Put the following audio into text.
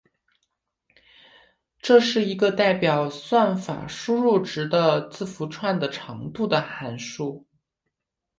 这是一个代表算法输入值的字符串的长度的函数。